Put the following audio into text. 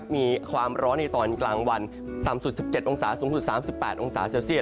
มีความร้อนในตอนกลางวันต่ำสุด๑๗องศาสูงสุด๓๘องศาเซลเซียต